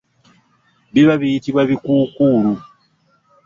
Biba biyitibwa bikuukuulu.